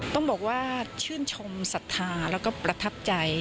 ต้องบอกว่าชื่นชมศรัทธาแล้วก็ประทับใจ